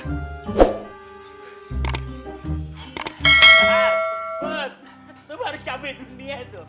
itu baru cabai india itu